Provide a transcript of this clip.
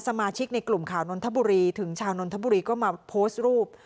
สมาชิกในกลุ่มข่าวนนทบุรีถึงชาวนนทบุรีก็มาโพสต์รูป